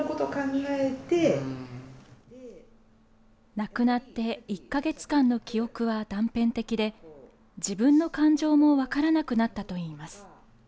亡くなって１か月間の記憶は断片的で自分の感情も分からなくなったといいます。